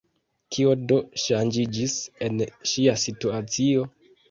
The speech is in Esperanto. Kio do ŝanĝiĝis en ŝia situacio?